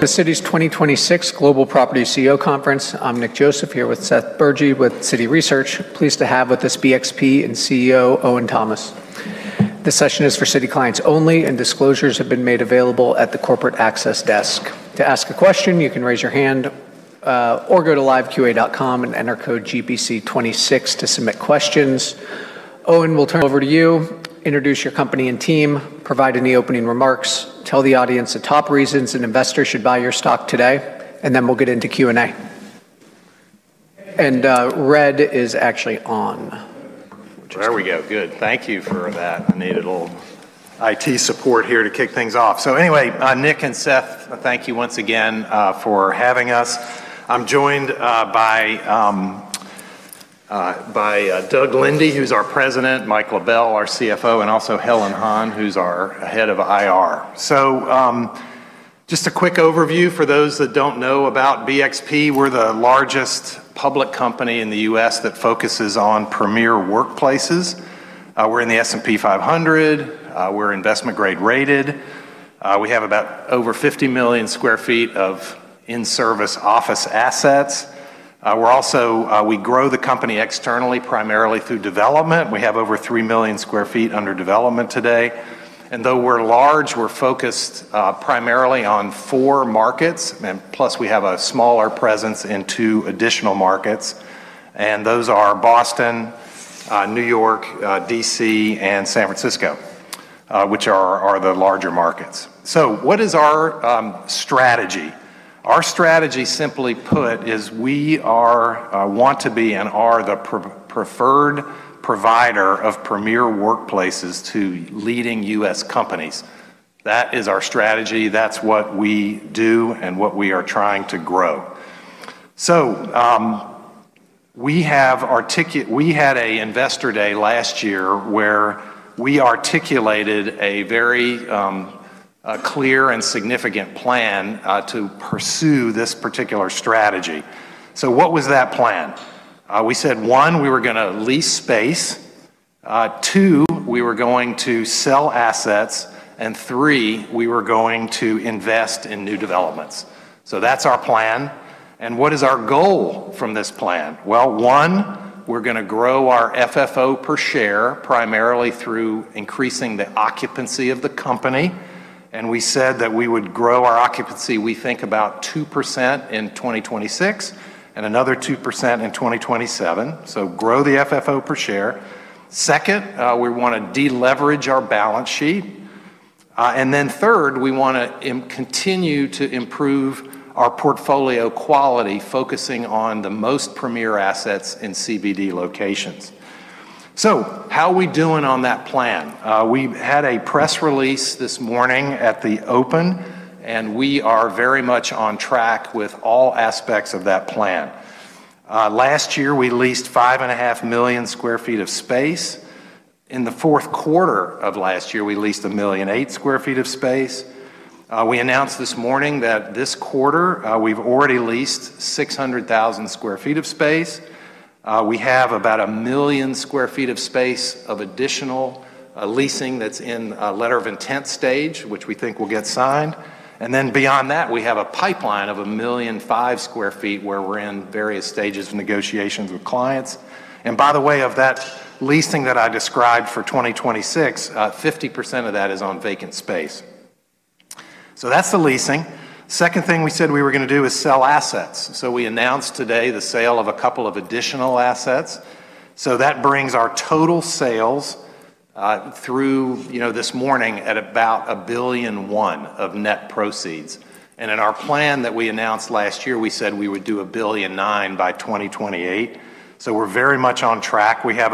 The Citi's 2026 Global Property CEO Conference. I'm Nick Joseph here with Seth Bergey with Citi Research. Pleased to have with us BXP and CEO Owen Thomas. This session is for Citi clients only. Disclosures have been made available at the corporate access desk. To ask a question, you can raise your hand or go to liveqa.com and enter code GPC26 to submit questions. Owen, we'll turn it over to you. Introduce your company and team, provide any opening remarks, tell the audience the top reasons an investor should buy your stock today. Then we'll get into Q&A. Red is actually on. There we go. Good. Thank you for that. I needed a little IT support here to kick things off. Anyway, Nick and Seth, thank you once again for having us. I'm joined by Doug Linde, who's our President, Mike LaBelle, our CFO, and also Helen Han, who's our head of IR. Just a quick overview for those that don't know about BXP. We're the largest public company in the U.S. that focuses on premier workplaces. We're in the S&P 500. We're investment grade rated. We have about over 50 million sq ft of in-service office assets. We grow the company externally, primarily through development. We have over 3 million sq ft under development today. Though we're large, we're focused, primarily on 4 markets, and plus we have a smaller presence in 2 additional markets. Those are Boston, New York, D.C., and San Francisco, which are the larger markets. What is our strategy? Our strategy, simply put, is we are, want to be and are the pre-preferred provider of premier workplaces to leading U.S. companies. That is our strategy. That's what we do and what we are trying to grow. We had a investor day last year where we articulated a very clear and significant plan to pursue this particular strategy. What was that plan? We said, 1, we were gonna lease space, 2, we were going to sell assets, and 3, we were going to invest in new developments. That's our plan. What is our goal from this plan? Well, 1, we're gonna grow our FFO per share primarily through increasing the occupancy of the company. We said that we would grow our occupancy, we think about 2% in 2026 and another 2% in 2027. Grow the FFO per share. Second, we wanna deleverage our balance sheet. Then third, we wanna continue to improve our portfolio quality, focusing on the most premier assets in CBD locations. How we doing on that plan? We've had a press release this morning at the open, and we are very much on track with all aspects of that plan. Last year, we leased 5.5 million sq ft of space. In the fourth quarter of last year, we leased 1.8 million sq ft of space. We announced this morning that this quarter, we've already leased 600,000 sq ft of space. We have about 1 million sq ft of space of additional leasing that's in a letter of intent stage, which we think will get signed. Beyond that, we have a pipeline of 1.5 million sq ft where we're in various stages of negotiations with clients. By the way, of that leasing that I described for 2026, 50% of that is on vacant space. That's the leasing. Second thing we said we were gonna do is sell assets. We announced today the sale of a couple of additional assets. That brings our total sales through, you know, this morning at about $1.1 billion of net proceeds. In our plan that we announced last year, we said we would do $1.9 billion by 2028. We're very much on track. We have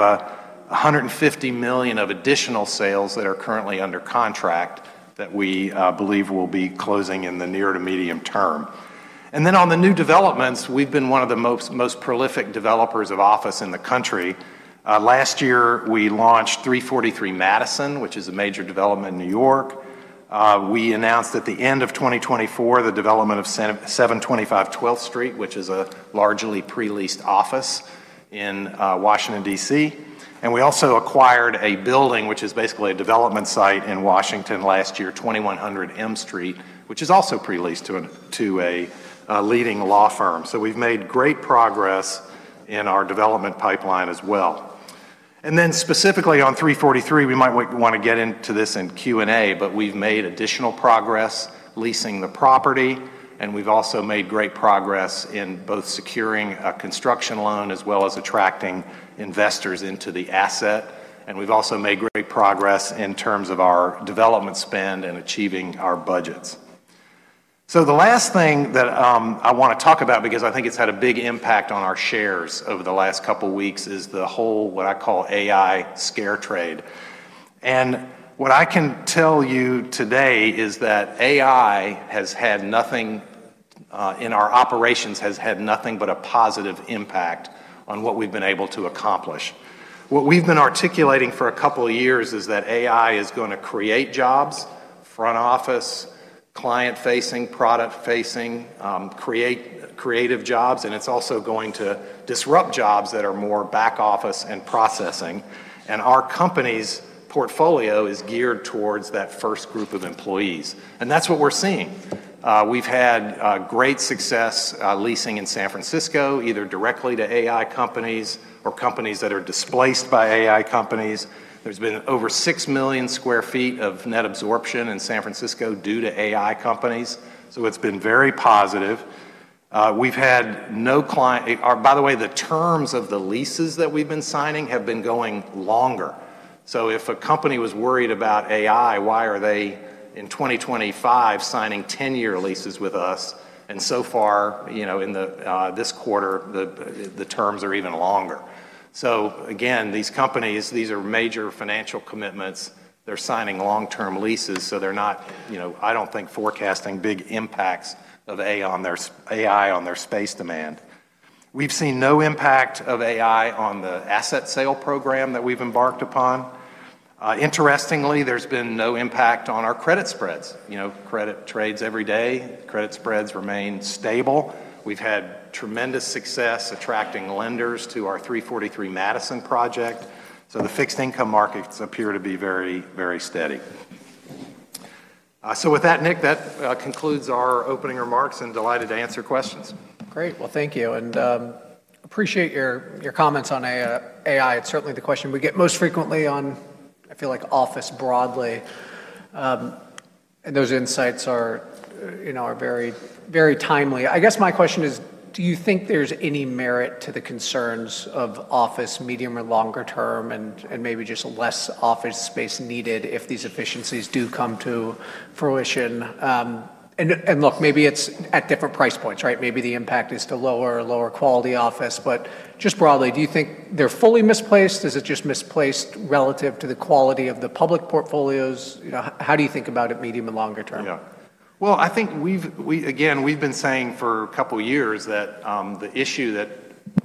$150 million of additional sales that are currently under contract that we believe will be closing in the near to medium term. On the new developments, we've been one of the most prolific developers of office in the country. Last year, we launched 343 Madison, which is a major development in New York. We announced at the end of 2024 the development of 725 Twelfth Street, which is a largely pre-leased office in Washington, D.C. We also acquired a building, which is basically a development site in Washington last year, 2100 M Street, which is also pre-leased to a leading law firm. We've made great progress in our development pipeline as well. Specifically on 343, we might wanna get into this in Q&A, but we've made additional progress leasing the property, and we've also made great progress in both securing a construction loan as well as attracting investors into the asset. We've also made great progress in terms of our development spend and achieving our budgets. The last thing that I wanna talk about, because I think it's had a big impact on our shares over the last couple weeks, is the whole what I call AI scare trade. What I can tell you today is that AI has had nothing in our operations, has had nothing but a positive impact on what we've been able to accomplish. What we've been articulating for a couple years is that AI is gonna create jobs, front office, client-facing, product-facing, create creative jobs, and it's also going to disrupt jobs that are more back office and processing. Our company's portfolio is geared towards that first group of employees. That's what we're seeing. We've had great success leasing in San Francisco, either directly to AI companies or companies that are displaced by AI companies. There's been over 6 million sq ft of net absorption in San Francisco due to AI companies, so it's been very positive. Or by the way, the terms of the leases that we've been signing have been going longer. If a company was worried about AI, why are they, in 2025, signing 10-year leases with us? So far, you know, in this quarter, the terms are even longer. Again, these companies, these are major financial commitments. They're signing long-term leases, so they're not, you know, I don't think forecasting big impacts of AI on their space demand. We've seen no impact of AI on the asset sale program that we've embarked upon. Interestingly, there's been no impact on our credit spreads. You know, credit trades every day. Credit spreads remain stable. We've had tremendous success attracting lenders to our 343 Madison project. The fixed income markets appear to be very, very steady. With that, Nick, that concludes our opening remarks and delighted to answer questions. Great. Well, thank you, and appreciate your comments on AI. It's certainly the question we get most frequently on, I feel like, office broadly. Those insights are, you know, are very timely. I guess my question is, do you think there's any merit to the concerns of office medium or longer term and maybe just less office space needed if these efficiencies do come to fruition? Look, maybe it's at different price points, right? Maybe the impact is to lower quality office. Just broadly, do you think they're fully misplaced? Is it just misplaced relative to the quality of the public portfolios? You know, how do you think about it medium and longer term? Yeah. Well, I think we've again, we've been saying for a couple years that the issue that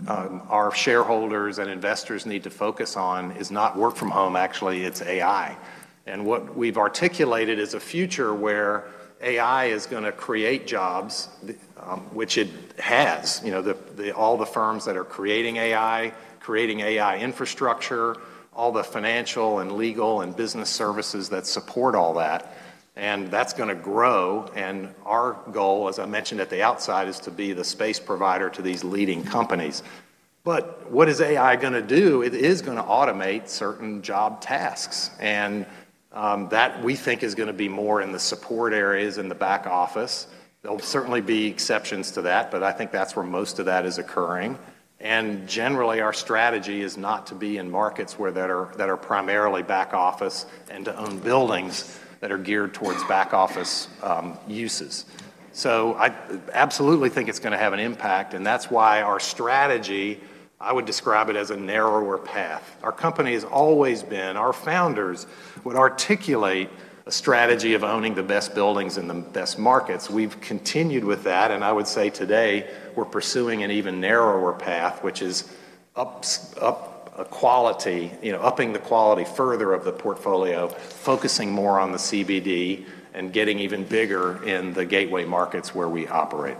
our shareholders and investors need to focus on is not work from home, actually, it's AI. What we've articulated is a future where AI is gonna create jobs, which it has. You know, the all the firms that are creating AI, creating AI infrastructure, all the financial and legal and business services that support all that, and that's gonna grow. Our goal, as I mentioned at the outside, is to be the space provider to these leading companies. What is AI gonna do? It is gonna automate certain job tasks, and that we think is gonna be more in the support areas in the back office. There'll certainly be exceptions to that, but I think that's where most of that is occurring. Generally, our strategy is not to be in markets where that are primarily back office and to own buildings that are geared towards back office uses. I absolutely think it's gonna have an impact, and that's why our strategy, I would describe it as a narrower path. Our company has always been. Our founders would articulate a strategy of owning the best buildings in the best markets. We've continued with that, and I would say today we're pursuing an even narrower path, which is up quality, you know, upping the quality further of the portfolio, focusing more on the CBD and getting even bigger in the gateway markets where we operate.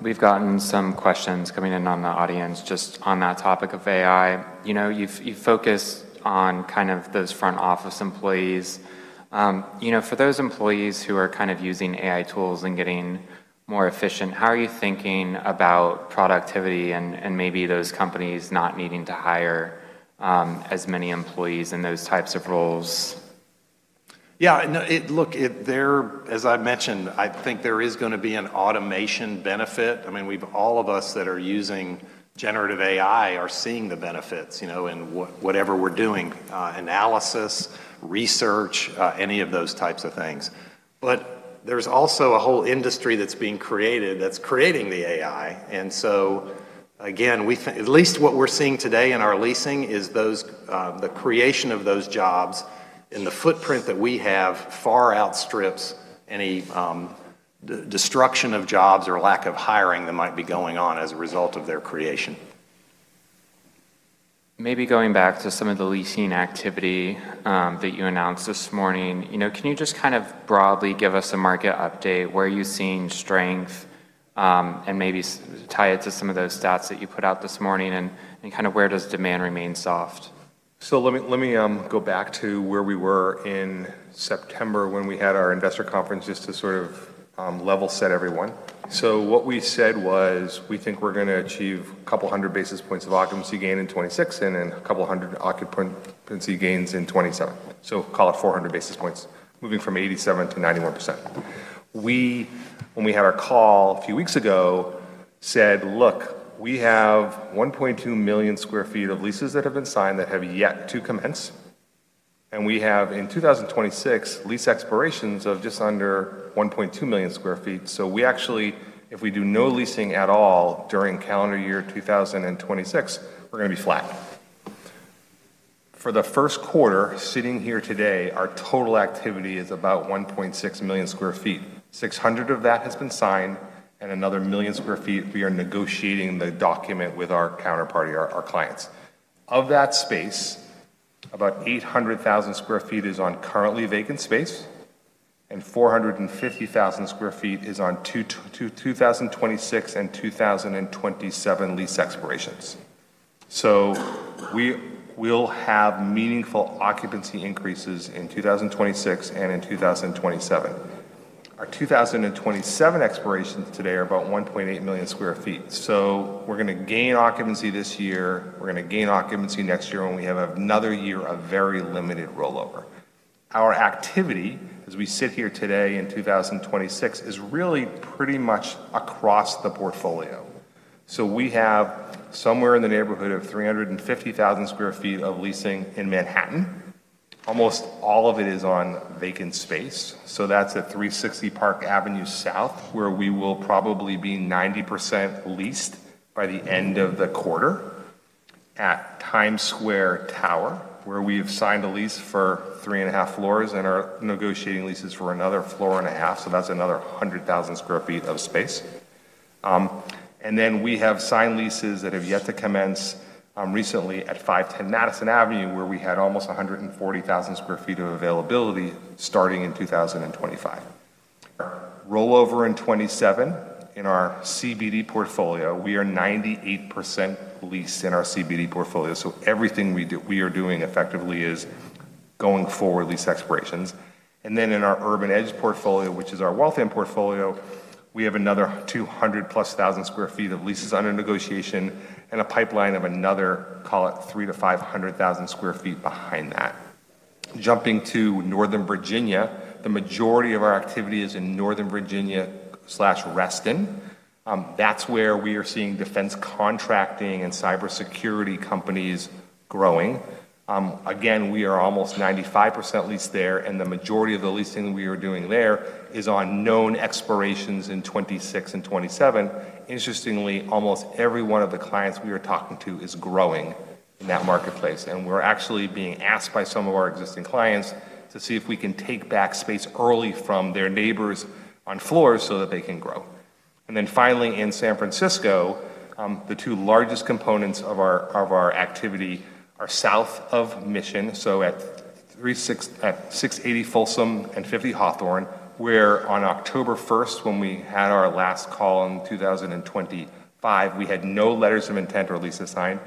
We've gotten some questions coming in on the audience just on that topic of AI. You know, you focus on kind of those front office employees. You know, for those employees who are kind of using AI tools and getting more efficient, how are you thinking about productivity and maybe those companies not needing to hire as many employees in those types of roles? No, as I've mentioned, I think there is gonna be an automation benefit. I mean, all of us that are using generative AI are seeing the benefits, you know, in whatever we're doing, analysis, research, any of those types of things. There's also a whole industry that's being created that's creating the AI. Again, we at least what we're seeing today in our leasing is those, the creation of those jobs and the footprint that we have far outstrips any destruction of jobs or lack of hiring that might be going on as a result of their creation. Maybe going back to some of the leasing activity, that you announced this morning. You know, can you just kind of broadly give us a market update? Where are you seeing strength? Maybe tie it to some of those stats that you put out this morning and kind of where does demand remain soft? Let me go back to where we were in September when we had our investor conference just to sort of level set everyone. What we said was we think we're gonna achieve a couple hundred basis points of occupancy gain in 2026 and then a couple hundred occupancy gains in 2027. Call it 400 basis points, moving from 87% to 91%. We, when we had our call a few weeks ago, said, "Look, we have 1.2 million sq ft of leases that have been signed that have yet to commence, and we have in 2026 lease expirations of just under 1.2 million sq ft." We actually, if we do no leasing at all during calendar year 2026, we're gonna be flat. For the first quarter, sitting here today, our total activity is about 1.6 million sq ft. 600 of that has been signed, and another 1 million sq ft we are negotiating the document with our counterparty, our clients. Of that space, about 800,000 sq ft is on currently vacant space. 450,000 sq ft is on 2026 and 2027 lease expirations. We will have meaningful occupancy increases in 2026 and in 2027. Our 2027 expirations today are about 1.8 million sq ft. We're gonna gain occupancy this year, we're gonna gain occupancy next year when we have another year of very limited rollover. Our activity, as we sit here today in 2026, is really pretty much across the portfolio. We have somewhere in the neighborhood of 350,000 sq ft of leasing in Manhattan. Almost all of it is on vacant space. That's at 360 Park Avenue South, where we will probably be 90% leased by the end of the quarter. At Times Square Tower, where we have signed a lease for 3 and a half floors and are negotiating leases for another 1 and a half floors, that's another 100,000 sq ft of space. Then we have signed leases that have yet to commence recently at 510 Madison Avenue, where we had almost 140,000 sq ft of availability starting in 2025. Our rollover in 2027 in our CBD portfolio. We are 98% leased in our CBD portfolio. Everything we are doing effectively is going forward lease expirations. Then in our Urban Edge portfolio, which is our Waltham portfolio, we have another 200+ thousand sq ft of leases under negotiation and a pipeline of another, call it 300,000-500,000 sq ft behind that. Jumping to Northern Virginia, the majority of our activity is in Northern Virginia/Reston. That's where we are seeing defense contracting and cybersecurity companies growing. Again, we are almost 95% leased there, and the majority of the leasing we are doing there is on known expirations in 2026 and 2027. Interestingly, almost every one of the clients we are talking to is growing in that marketplace, and we're actually being asked by some of our existing clients to see if we can take back space early from their neighbors on floors so that they can grow. Finally, in San Francisco, the two largest components of our, of our activity are south of Mission, so at 680 Folsom and 50 Hawthorne, where on October first, when we had our last call in 2025, we had no letters of intent or leases signed.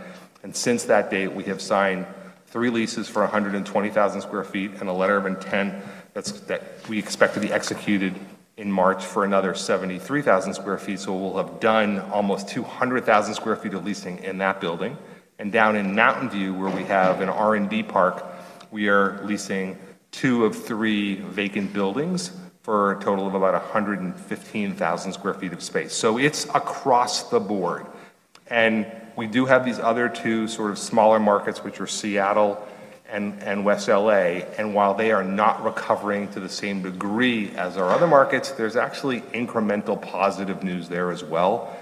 Since that date, we have signed 3 leases for 120,000 sq ft and a letter of intent that we expect to be executed in March for another 73,000 sq ft. We'll have done almost 200,000 sq ft of leasing in that building. Down in Mountain View, where we have an R&D park, we are leasing 2 of 3 vacant buildings for a total of about 115,000 sq ft of space. It's across the board. We do have these other 2 sort of smaller markets, which are Seattle and West L.A. While they are not recovering to the same degree as our other markets, there's actually incremental positive news there as well.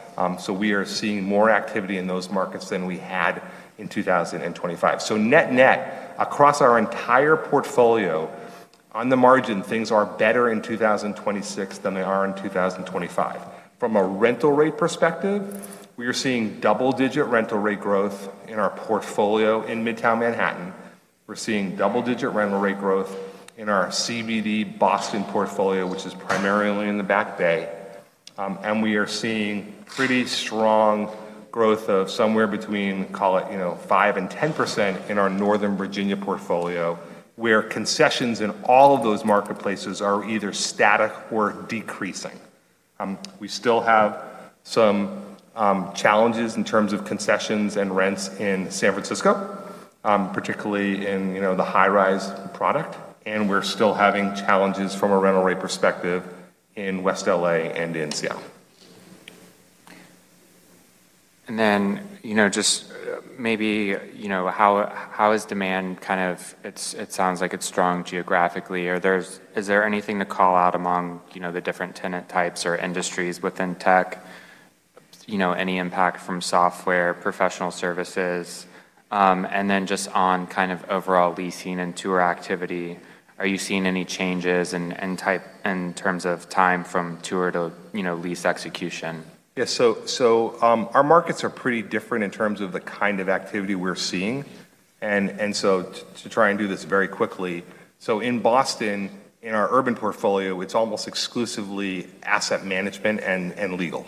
We are seeing more activity in those markets than we had in 2025. Net, across our entire portfolio, on the margin, things are better in 2026 than they are in 2025. From a rental rate perspective, we are seeing double-digit rental rate growth in our portfolio in Midtown Manhattan. We're seeing double-digit rental rate growth in our CBD Boston portfolio, which is primarily in the Back Bay. We are seeing pretty strong growth of somewhere between, call it, you know, 5% and 10% in our Northern Virginia portfolio, where concessions in all of those marketplaces are either static or decreasing. We still have some challenges in terms of concessions and rents in San Francisco, particularly in, you know, the high-rise product. We're still having challenges from a rental rate perspective in West L.A. and in Seattle. You know, just maybe, you know, how is demand it sounds like it's strong geographically? Is there anything to call out among, you know, the different tenant types or industries within tech? You know, any impact from software, professional services? Just on kind of overall leasing and tour activity, are you seeing any changes in terms of time from tour to, you know, lease execution? Yeah. Our markets are pretty different in terms of the kind of activity we're seeing. To try and do this very quickly. In Boston, in our urban portfolio, it's almost exclusively asset management and legal.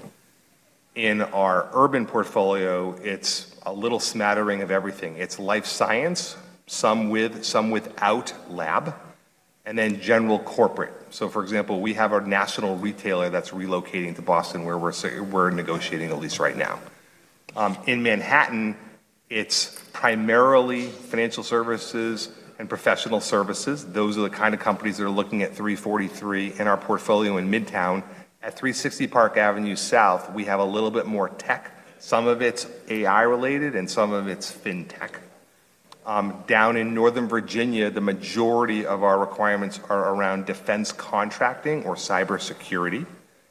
In our urban portfolio, it's a little smattering of everything. It's life science, some with, some without lab, general corporate. For example, we have our national retailer that's relocating to Boston, where we're negotiating a lease right now. In Manhattan, it's primarily financial services and professional services. Those are the kind of companies that are looking at 343 in our portfolio in Midtown. At 360 Park Avenue South, we have a little bit more tech. Some of it's AI related, and some of it's fintech. Down in Northern Virginia, the majority of our requirements are around defense contracting or cybersecurity.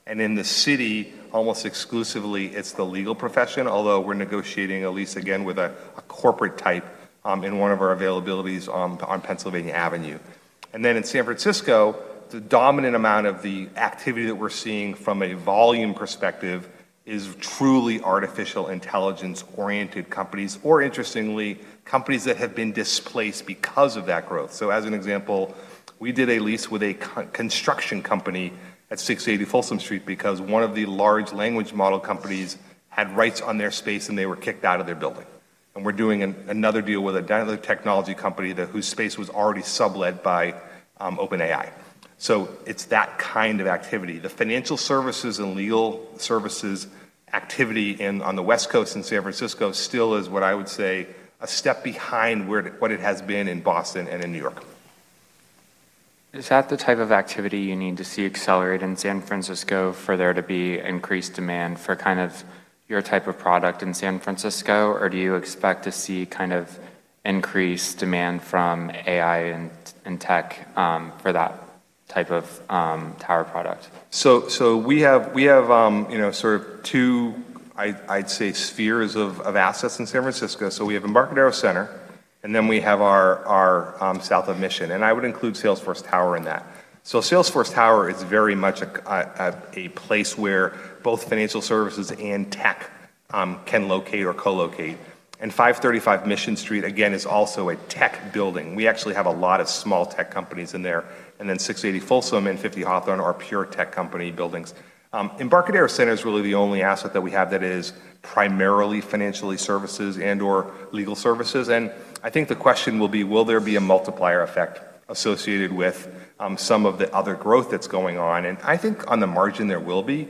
In the city, almost exclusively, it's the legal profession, although we're negotiating a lease again with a corporate type in one of our availabilities on Pennsylvania Avenue. In San Francisco, the dominant amount of the activity that we're seeing from a volume perspective is truly artificial intelligence-oriented companies, or interestingly, companies that have been displaced because of that growth. As an example, we did a lease with a construction company at 680 Folsom Street because one of the large language model companies had rights on their space, and they were kicked out of their building. We're doing another deal with another technology company whose space was already sublet by OpenAI. It's that kind of activity. The financial services and legal services activity on the West Coast in San Francisco still is, what I would say, a step behind what it has been in Boston and in New York. Is that the type of activity you need to see accelerate in San Francisco for there to be increased demand for kind of your type of product in San Francisco? Do you expect to see kind of increased demand from AI and tech, for that type of tower product? We have, you know, sort of two spheres of assets in San Francisco. We have Embarcadero Center, we have our South of Mission, and I would include Salesforce Tower in that. Salesforce Tower is very much a place where both financial services and tech can locate or co-locate. 535 Mission Street, again, is also a tech building. We actually have a lot of small tech companies in there. 680 Folsom and 50 Hawthorne are pure tech company buildings. Embarcadero Center is really the only asset that we have that is primarily financially services and/or legal services. I think the question will be, will there be a multiplier effect associated with some of the other growth that's going on? I think on the margin there will be.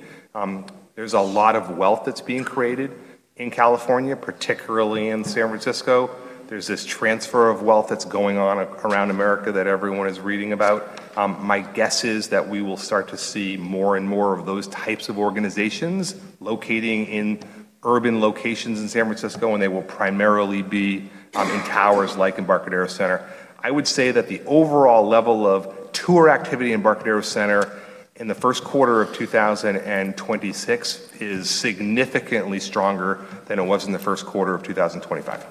There's a lot of wealth that's being created in California, particularly in San Francisco. There's this transfer of wealth that's going on around America that everyone is reading about. My guess is that we will start to see more and more of those types of organizations locating in urban locations in San Francisco, and they will primarily be in towers like Embarcadero Center. I would say that the overall level of tour activity in Embarcadero Center in the first quarter of 2026 is significantly stronger than it was in the first quarter of 2025.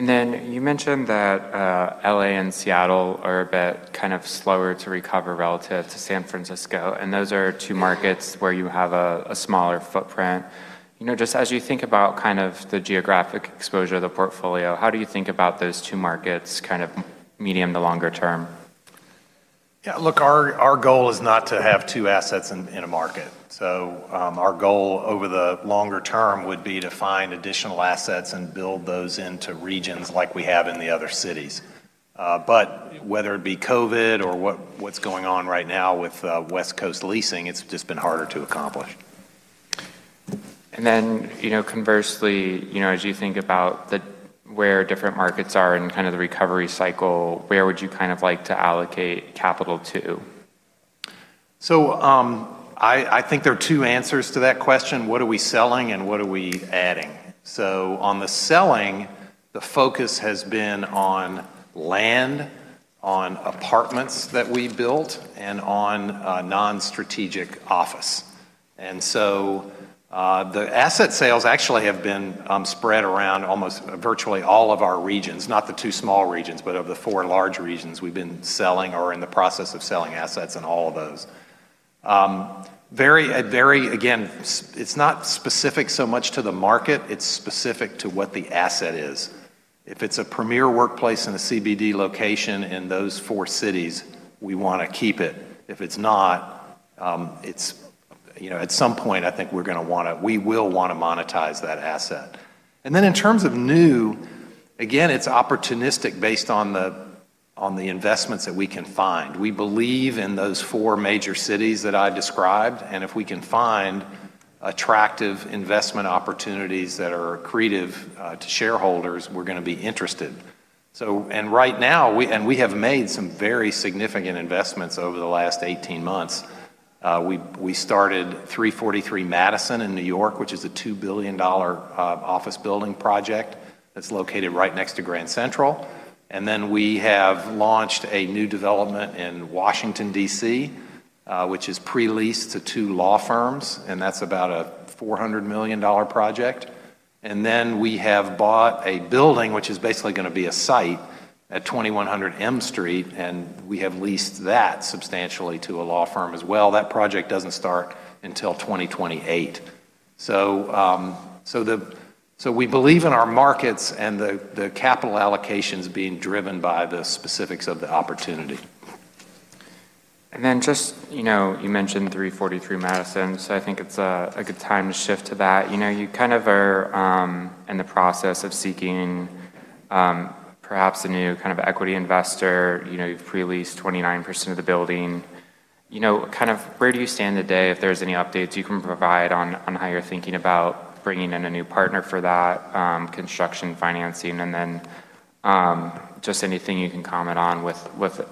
You mentioned that, L.A. and Seattle are a bit kind of slower to recover relative to San Francisco, and those are two markets where you have a smaller footprint. You know, just as you think about kind of the geographic exposure of the portfolio, how do you think about those two markets kind of medium to longer term? Yeah, look, our goal is not to have two assets in a market. Our goal over the longer term would be to find additional assets and build those into regions like we have in the other cities. Whether it be COVID or what's going on right now with West Coast leasing, it's just been harder to accomplish. you know, conversely, you know, as you think about where different markets are in kind of the recovery cycle, where would you kind of like to allocate capital to? I think there are 2 answers to that question. What are we selling, and what are we adding? On the selling, the focus has been on land, on apartments that we built, and on non-strategic office. The asset sales actually have been spread around almost virtually all of our regions, not the 2 small regions, but of the 4 large regions we've been selling or in the process of selling assets in all of those. Very, again, it's not specific so much to the market. It's specific to what the asset is. If it's a premier workplace in a CBD location in those 4 cities, we wanna keep it. If it's not, you know, at some point, I think we will wanna monetize that asset. In terms of new, again, it's opportunistic based on the investments that we can find. We believe in those four major cities that I described. If we can find attractive investment opportunities that are accretive to shareholders, we're gonna be interested. Right now, we have made some very significant investments over the last 18 months. We started 343 Madison in New York, which is a $2 billion office building project that's located right next to Grand Central. We have launched a new development in Washington, D.C., which is pre-leased to two law firms, and that's about a $400 million project. We have bought a building, which is basically gonna be a site at 2100 M Street, and we have leased that substantially to a law firm as well. That project doesn't start until 2028. We believe in our markets and the capital allocations being driven by the specifics of the opportunity. Just, you know, you mentioned 343 Madison, so I think it's a good time to shift to that. You know, you kind of are in the process of seeking perhaps a new kind of equity investor. You know, you've pre-leased 29% of the building. You know, kind of where do you stand today if there's any updates you can provide on how you're thinking about bringing in a new partner for that construction financing? Just anything you can comment on with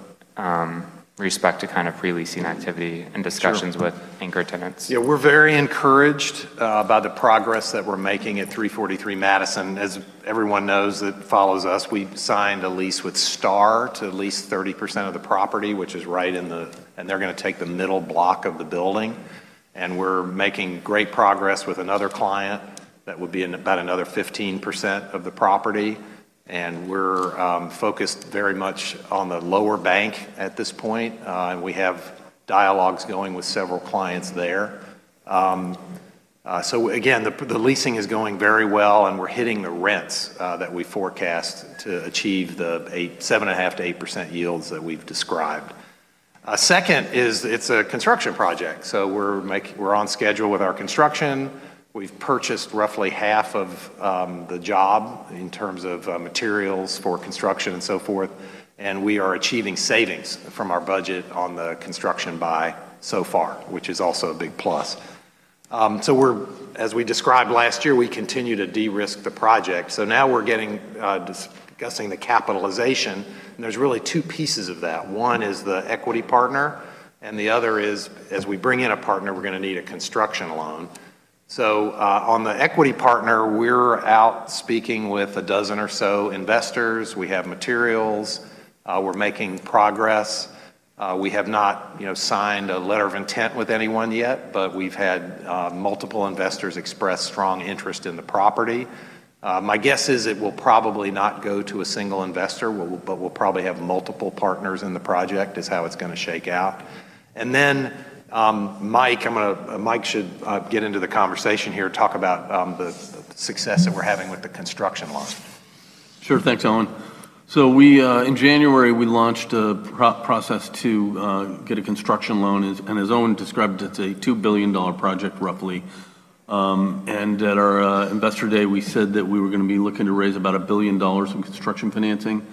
respect to kind of pre-leasing activity and discussions. Sure ...with anchor tenants. We're very encouraged by the progress that we're making at 343 Madison. As everyone knows that follows us, we've signed a lease with Starr to lease 30% of the property, which is right in the. They're gonna take the middle block of the building. We're making great progress with another client that would be in about another 15% of the property. We're focused very much on the lower bank at this point. We have dialogues going with several clients there. Again, the leasing is going very well and we're hitting the rents that we forecast to achieve the 7.5%-8% yields that we've described. Second is it's a construction project, we're on schedule with our construction. We've purchased roughly half of the job in terms of materials for construction and so forth, and we are achieving savings from our budget on the construction buy so far, which is also a big plus. As we described last year, we continue to de-risk the project. Now we're getting discussing the capitalization, and there's really two pieces of that. One is the equity partner, and the other is, as we bring in a partner, we're gonna need a construction loan. On the equity partner, we're out speaking with 12 or so investors. We have materials. We're making progress. We have not, you know, signed a letter of intent with anyone yet, but we've had multiple investors express strong interest in the property. My guess is it will probably not go to a single investor. But we'll probably have multiple partners in the project is how it's gonna shake out. Mike should get into the conversation here, talk about the success that we're having with the construction loan. Sure. Thanks, Owen. In January, we launched a process to get a construction loan. As Owen described, it's a $2 billion project roughly. And at our investor day, we said that we were gonna be looking to raise about $1 billion in construction financing.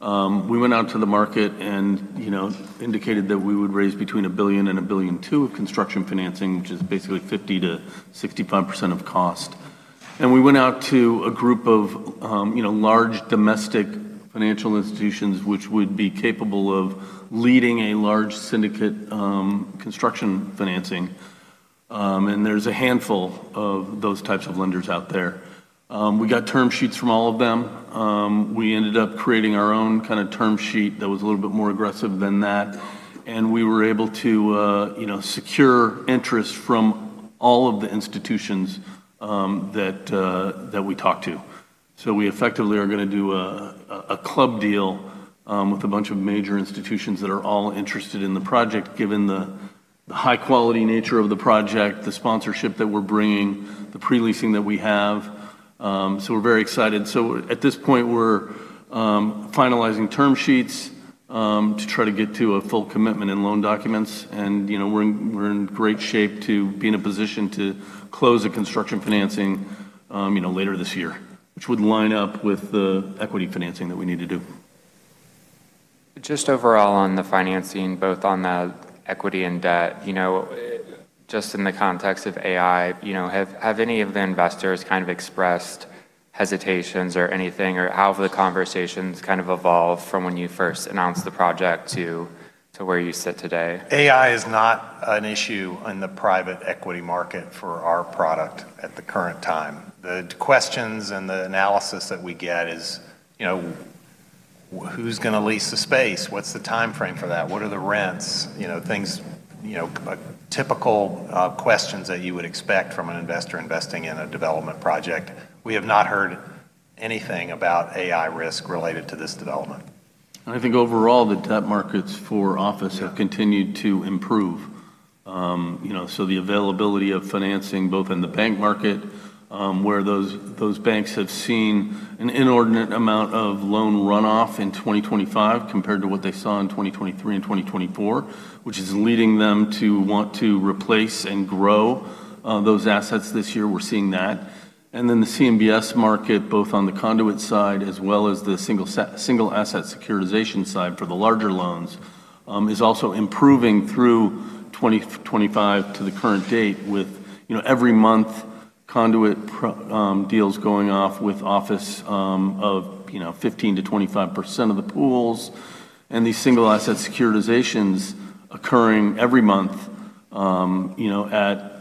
We went out to the market and, you know, indicated that we would raise between $1 billion and $1.2 billion of construction financing, which is basically 50%-65% of cost. We went out to a group of, you know, large domestic financial institutions which would be capable of leading a large syndicate, construction financing. There's a handful of those types of lenders out there. We got term sheets from all of them. We ended up creating our own kinda term sheet that was a little bit more aggressive than that, and we were able to, you know, secure interest from all of the institutions that we talked to. We effectively are gonna do a club deal with a bunch of major institutions that are all interested in the project given the high quality nature of the project, the sponsorship that we're bringing, the pre-leasing that we have. We're very excited. At this point, we're finalizing term sheets to try to get to a full commitment in loan documents. You know, we're in great shape to be in a position to close a construction financing, you know, later this year, which would line up with the equity financing that we need to do. Just overall on the financing, both on the equity and debt, you know, just in the context of AI, you know, have any of the investors kind of expressed hesitations or anything? How have the conversations kind of evolved from when you first announced the project to where you sit today? AI is not an issue in the private equity market for our product at the current time. The questions and the analysis that we get is, you know, who's gonna lease the space? What's the timeframe for that? What are the rents? You know, things, you know, typical questions that you would expect from an investor investing in a development project. We have not heard anything about AI risk related to this development. I think overall, the debt markets for office. Yeah... have continued to improve. you know, the availability of financing both in the bank market, where those banks have seen an inordinate amount of loan runoff in 2025 compared to what they saw in 2023 and 2024, which is leading them to want to replace and grow, those assets this year, we're seeing that. The CMBS market, both on the conduit side as well as the single asset securitization side for the larger loans, is also improving through 2025 to the current date with, you know, every month conduit deals going off with office, of, you know, 15%-25% of the pools and these single asset securitizations occurring every month, you know, at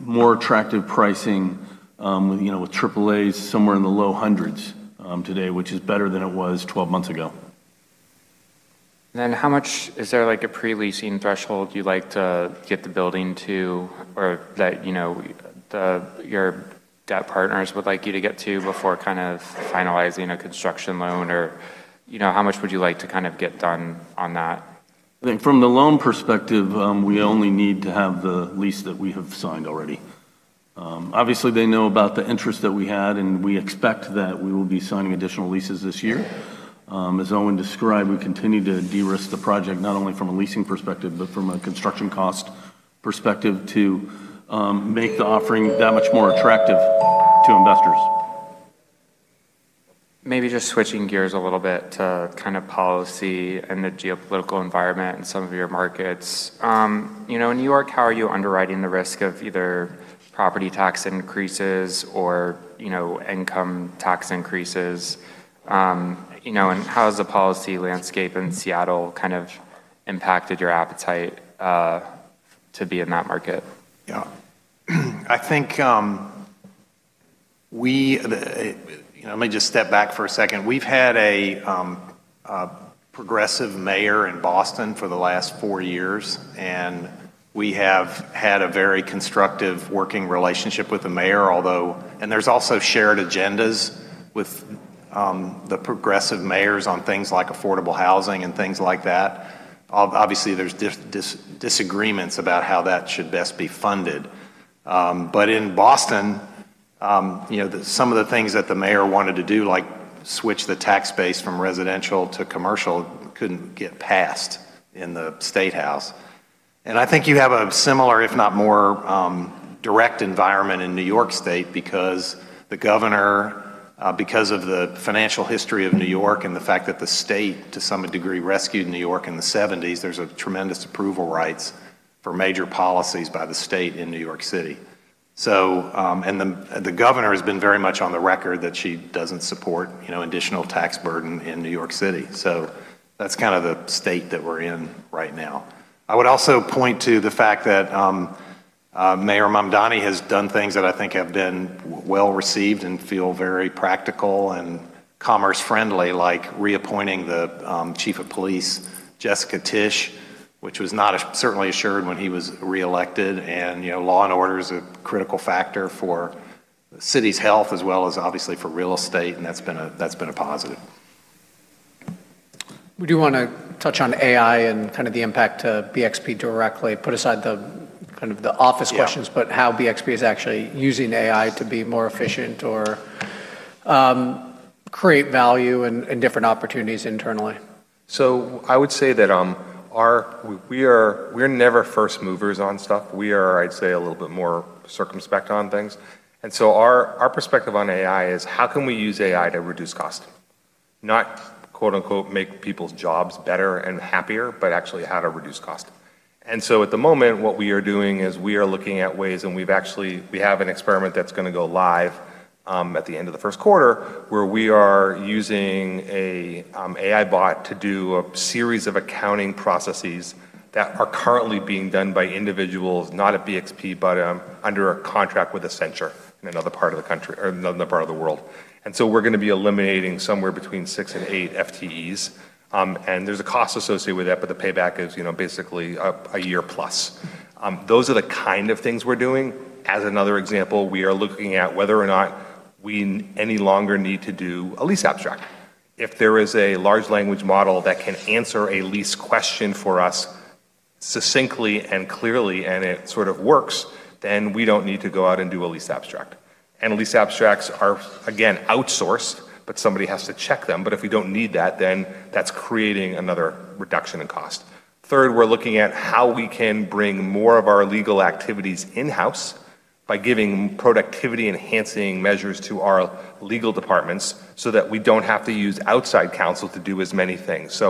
more attractive pricing, you know, with triple As somewhere in the low hundreds, today, which is better than it was 12 months ago. Is there, like, a pre-leasing threshold you'd like to get the building to or that, you know, your debt partners would like you to get to before kind of finalizing a construction loan? You know, how much would you like to kind of get done on that? I think from the loan perspective, we only need to have the lease that we have signed already. Obviously, they know about the interest that we had, and we expect that we will be signing additional leases this year. As Owen described, we continue to de-risk the project not only from a leasing perspective, but from a construction cost perspective to make the offering that much more attractive to investors. Maybe just switching gears a little bit to kind of policy and the geopolitical environment in some of your markets. you know, in New York, how are you underwriting the risk of either property tax increases or, you know, income tax increases? you know, how has the policy landscape in Seattle kind of impacted your appetite, to be in that market? Yeah. I think, you know, let me just step back for a second. We've had a progressive mayor in Boston for the last four years, and we have had a very constructive working relationship with the mayor. There's also shared agendas with The progressive mayors on things like affordable housing and things like that. Obviously, there's disagreements about how that should best be funded. In Boston, you know, the some of the things that the Mayor wanted to do, like switch the tax base from residential to commercial, couldn't get passed in the state house. I think you have a similar, if not more, direct environment in New York State because the governor, because of the financial history of New York and the fact that the state, to some degree, rescued New York in the '70s, there's a tremendous approval rates for major policies by the state in New York City. And the governor has been very much on the record that she doesn't support, you know, additional tax burden in New York City. That's kind of the state that we're in right now. I would also point to the fact that, Mayor Mamdani has done things that I think have been well received and feel very practical and commerce-friendly, like reappointing the Chief of Police, Jessica Tisch, which was not certainly assured when he was reelected. You know, law and order is a critical factor for the city's health as well as obviously for real estate, and that's been a positive. We do wanna touch on AI and kind of the impact to BXP directly. Put aside the, kind of the office questions. Yeah... but how BXP is actually using AI to be more efficient or, create value and different opportunities internally. I would say that, our. We are, we're never first movers on stuff. We are, I'd say, a little bit more circumspect on things. Our perspective on AI is: how can we use AI to reduce cost? Not, quote-unquote, "make people's jobs better and happier," but actually how to reduce cost. At the moment, what we are doing is we are looking at ways, and we've actually, we have an experiment that's gonna go live at the end of the first quarter, where we are using an AI bot to do a series of accounting processes that are currently being done by individuals, not at BXP, but under a contract with Accenture in another part of the country, or another part of the world. We're gonna be eliminating somewhere between six and eight FTEs. There's a cost associated with that, but the payback is, you know, basically a year-plus. Those are the kind of things we're doing. As another example, we are looking at whether or not we any longer need to do a lease abstract. If there is a large language model that can answer a lease question for us succinctly and clearly, and it sort of works, then we don't need to go out and do a lease abstract. Lease abstracts are, again, outsourced, but somebody has to check them. If we don't need that, then that's creating another reduction in cost. Third, we're looking at how we can bring more of our legal activities in-house by giving productivity-enhancing measures to our legal departments so that we don't have to use outside counsel to do as many things.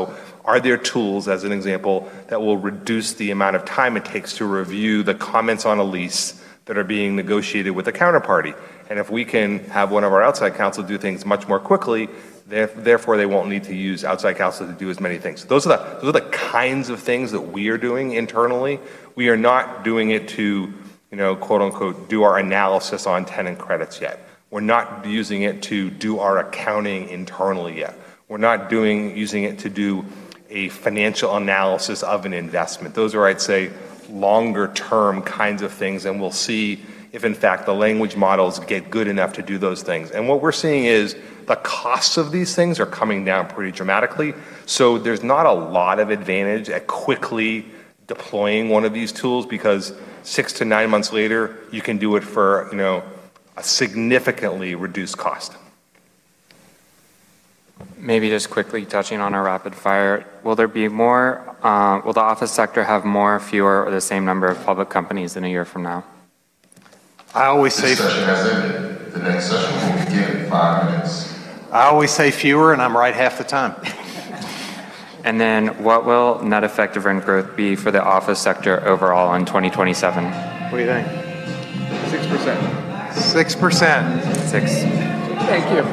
Are there tools, as an example, that will reduce the amount of time it takes to review the comments on a lease that are being negotiated with a counterparty? If we can have one of our outside counsel do things much more quickly, therefore they won't need to use outside counsel to do as many things. Those are the kinds of things that we are doing internally. We are not doing it to, you know, quote-unquote, "do our analysis on tenant credits yet." We're not using it to do our accounting internally yet. We're not using it to do a financial analysis of an investment. Those are, I'd say, longer-term kinds of things, and we'll see if, in fact, the language models get good enough to do those things. What we're seeing is the costs of these things are coming down pretty dramatically. There's not a lot of advantage at quickly deploying one of these tools because 6 to 9 months later, you can do it for, you know, a significantly reduced cost. Maybe just quickly touching on our rapid fire. Will the office sector have more, fewer, or the same number of public companies than a year from now? I always say- This session has ended. The next session will begin in five minutes. I always say fewer, and I'm right half the time. What will net effective rent growth be for the office sector overall in 2027? What do you think? 6%. 6%. Six. Thank you.